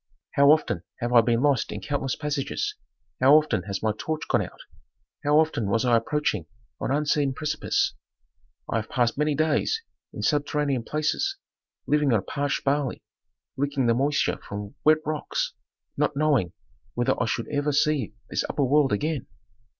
"How often have I been lost in countless passages, how often has my torch gone out, how often was I approaching an unseen precipice? I have passed many days in subterranean places, living on parched barley, licking the moisture from wet rocks, not knowing whether I should ever see this upper world again.